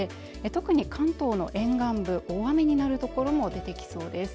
特に関東の沿岸部大雨になる所も出てきそうです